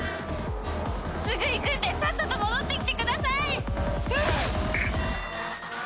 すぐ行くんでさっさと戻ってきてください！